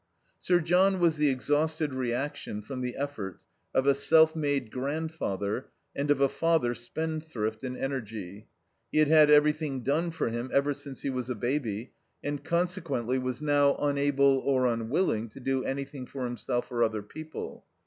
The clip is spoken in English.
Sir John was the exhausted reaction from the efforts of a self made grandfather and of a father spendthrift in energy; he had had everything done for him ever since he was a baby, and consequently was now unable or unwilling to do anything for himself or other people.